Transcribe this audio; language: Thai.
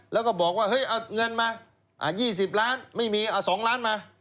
แล้วก็บอกว่าเฮ้ยเอาเงินมาอ่ะยี่สิบล้านไม่มีเอาสองล้านมา